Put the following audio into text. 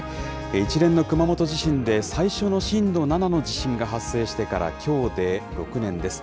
一連の熊本地震で最初の震度７の地震が発生してからきょうで６年です。